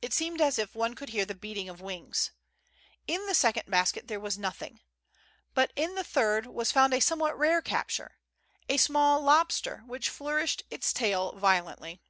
It seemed as if one could hear the beating of wings. In the second basket there was noth ing ; but in the third was found a somewhat rare capture — a small lobster, which flourished its tail violently.